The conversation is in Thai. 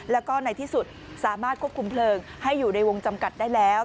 แล้วก็ในที่สุดสามารถควบคุมเพลิงให้อยู่ในวงจำกัดได้แล้ว